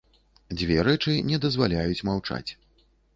Дзве рэчы не дазваляюць маўчаць.